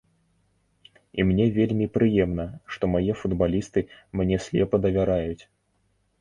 І мне вельмі прыемна, што мае футбалісты мне слепа давяраюць.